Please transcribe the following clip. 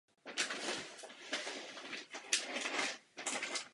Zamrzá od listopadu do května.